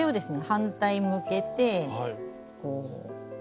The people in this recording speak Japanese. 反対向けてこう。